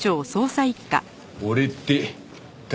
「俺」って誰だ？